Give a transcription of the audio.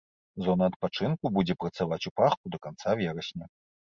Зона адпачынку будзе працаваць у парку да канца верасня.